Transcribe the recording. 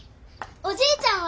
おじいちゃんは？